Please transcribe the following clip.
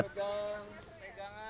teguh supriyadi daerah istimewa yogyakarta